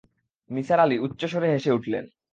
নিসার আলি উচ্চস্বরে হেসে উঠলেন।